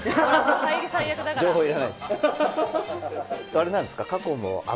あれなんすか？